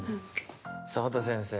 さあ畑先生